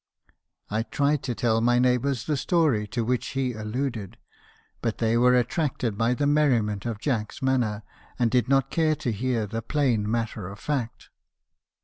"I tried to tell my neighbours the story to which he alluded; but they were attracted by the merriment of Jack's manner, and did not care to hear the plain matter of fact.